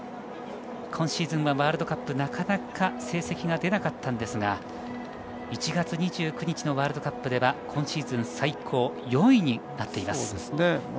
今シーズンはワールドカップなかなか成績が出なかったんですが１月２９日のワールドカップでは今シーズン最高４位になっています。